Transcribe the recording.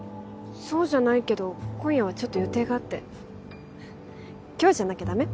そうじゃないけど今夜はちょっと予定があって今日じゃなきゃダメ？